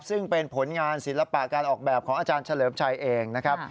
ซึ่งเป็นผลงานศิลปะการออกแบบของอาจารย์เฉลิมชัยเองนะครับ